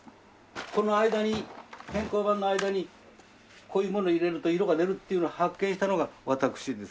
この間に偏光板の間にこういうもの入れると色が出るっていうの発見したのが私ですね。